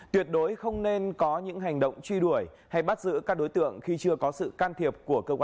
tuyệt đối không nên có những hành động truy đuổi hay bắt giữ các đối tượng khi chưa có sự can thiệp